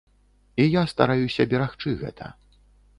І я стараюся берагчы гэта.